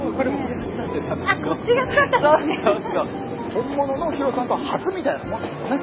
本物のヒロさんとは初みたいなものですよね。